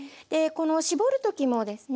この搾る時もですね